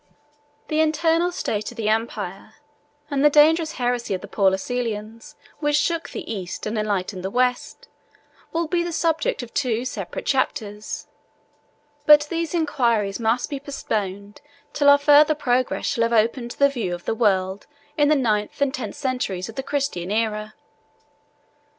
The internal state of the empire, and the dangerous heresy of the Paulicians, which shook the East and enlightened the West, will be the subject of two separate chapters; but these inquiries must be postponed till our further progress shall have opened the view of the world in the ninth and tenth centuries of the Christian area.